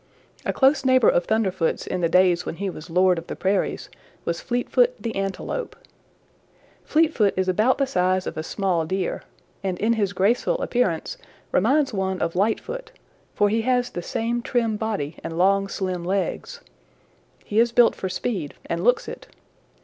"A close neighbor of Thunderfoot's in the days when he was Lord of the Prairies was Fleetfoot the Antelope. Fleetfoot is about the size of a small Deer, and in his graceful appearance reminds one of Lightfoot, for he has the same trim body and long slim legs. He is built for speed and looks it.